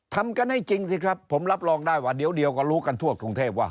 ทำกันให้จริงสิครับผมรับรองได้ว่าเดี๋ยวก็รู้กันทั่วกรุงเทพว่า